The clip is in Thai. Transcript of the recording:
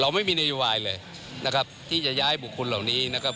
ไม่มีนโยบายเลยนะครับที่จะย้ายบุคคลเหล่านี้นะครับ